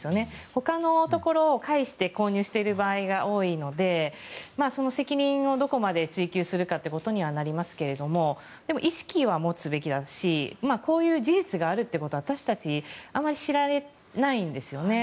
他のところを介して購入している場合が多いのでその責任をどこまで追求するかということにはなりますけどもでも、意識は持つべきだしこういう事実があるってことが私たちあまり知られないんですよね。